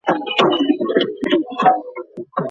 د بریا ویاړونه یوازي لایقو کسانو ته نه سي منسوبېدلای.